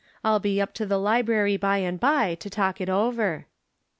I'll be up to the library by and by to talk it over."